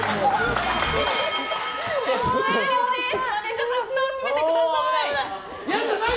マネジャーさんふたを閉めてください。